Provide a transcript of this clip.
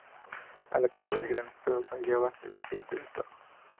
A la cabeza del Gran Estado se hallaba el Presidente de Estado.